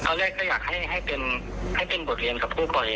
ตอนแรกจะอยากให้เป็นบทเรียนกับผู้ปลอเผย